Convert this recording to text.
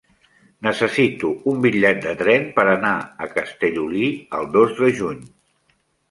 Necessito un bitllet de tren per anar a Castellolí el dos de juny.